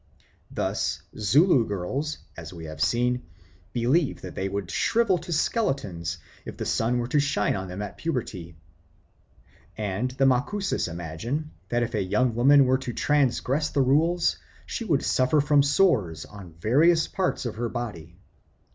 Thus Zulu girls, as we have seen, believe that they would shrivel to skeletons if the sun were to shine on them at puberty, and the Macusis imagine that, if a young woman were to transgress the rules, she would suffer from sores on various parts of her body.